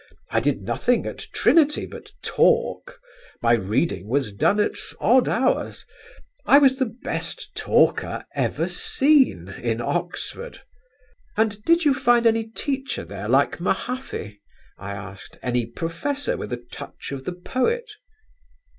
I did nothing at Trinity but talk, my reading was done at odd hours. I was the best talker ever seen in Oxford." "And did you find any teacher there like Mahaffy?" I asked, "any professor with a touch of the poet?"